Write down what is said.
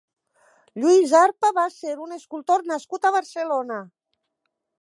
Lluís Arpa va ser un escultor nascut a Barcelona.